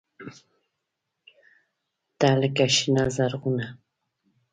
تۀ لکه “شنه زرغونه”